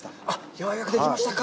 ようやくできましたか。